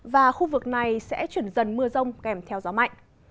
và khu vực này sẽ chuyển dần mưa rông kèm theo gió mạnh